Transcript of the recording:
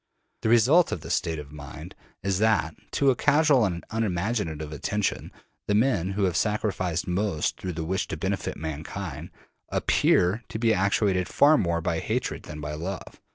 The result of this state of mind is that, to a casual and unimaginative attention, the men who have sacrificed most through the wish to benefit mankind APPEAR to be actuated far more by hatred than by love.